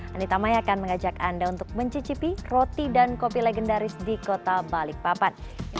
anita maya akan mengajak anda untuk mencicipi roti dan kopi legendaris di kota balikpapan